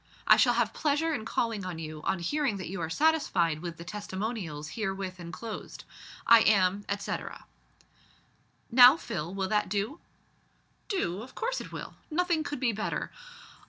I shall have pleasure in calling on you on hearing that you are satisfied with the testimonials herewith enclosed. I am, etcetera." "Now, Phil, will that do?" "Do? of course it will. Nothing could be better.